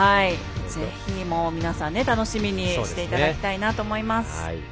ぜひ皆さん楽しみにしていただきたいと思います。